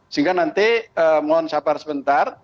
sehingga nanti mohon sabar sebentar